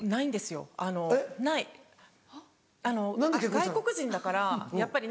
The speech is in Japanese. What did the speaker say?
外国人だからやっぱり。